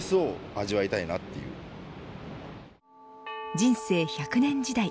人生１００年時代。